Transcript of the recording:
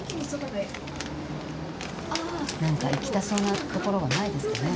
なんか行きたそうな所はないですかね？